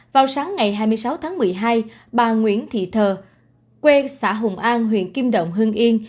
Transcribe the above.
vào sáng ngày hai mươi sáu tháng một mươi hai bà nguyễn thị thờ quê xã hùng an huyện kim động hương yên